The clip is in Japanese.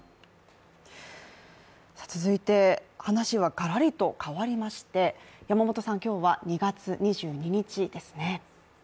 続いて、話はがらりと変わりまして山本さん、今日は２月２２日ですね。